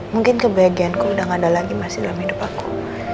mungkin itu bagianku udah gak ada lagi masih dalam hidup aku